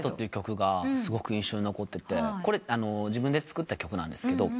これ自分で作った曲なんですけど。